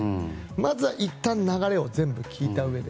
まずはいったん流れを全部聞いたうえで。